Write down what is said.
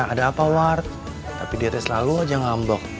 ada apa ward tapi dia selalu aja ngambek